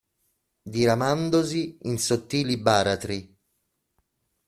Diramandosi in sottili baratri.